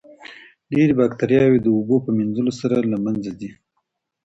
ډېرې باکتریاوې د اوبو په مینځلو سره له منځه ځي.